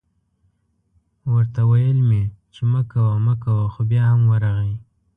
ورته ویل مې چې مه کوه مه کوه خو بیا هم ورغی